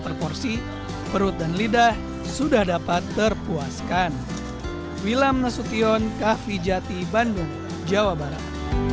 per porsi perut dan lidah sudah dapat terpuaskan wilam nasution kah vijati bandung jawa barat